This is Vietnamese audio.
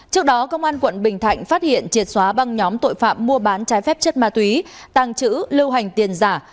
trước đó công an tp hcm phát hiện triệt xóa băng nhóm tội phạm mua bán trái phép chất ma túy tàng trữ lưu hành tiền giả